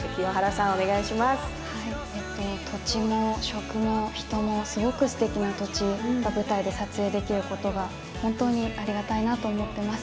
土地も食も人もすごくすてきな土地が舞台で撮影できることが本当にありがたいなと思っています。